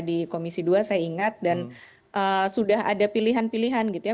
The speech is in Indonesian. di komisi dua saya ingat dan sudah ada pilihan pilihan gitu ya